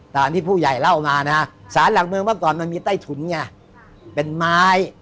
ตามที่ผู้ใหญ่เล่ามานะฮะสารหลักเมืองเมื่อก่อนมันมีใต้ถุนไงเป็นไม้